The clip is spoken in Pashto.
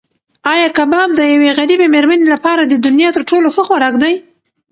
ایا کباب د یوې غریبې مېرمنې لپاره د دنیا تر ټولو ښه خوراک دی؟